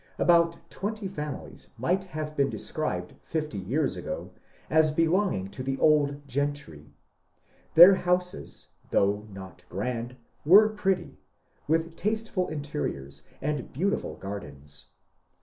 About twenty families might have been described fifty years ago as belonging to the old gentry." Their houses though not grand were pretty, with tasteful interiors and beautiful gardens.